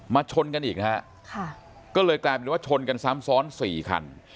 ชนกันอีกนะฮะค่ะก็เลยกลายเป็นว่าชนกันซ้ำซ้อนสี่คัน